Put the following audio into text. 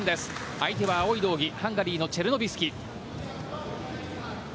相手は青い道着ハンガリーのチェルノビスキ。